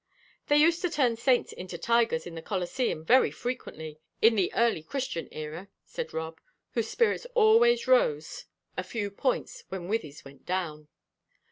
"They used to turn saints into tigers in the Colosseum very frequently in the early Christian era," said Rob, whose spirits always rose a few points when Wythie's went down.